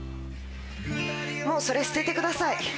もうそれ捨ててください。